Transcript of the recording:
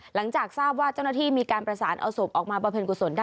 หลังจากทราบว่าเจ้าหน้าที่มีการประสานเอาศพออกมาบริเวณกุศลได้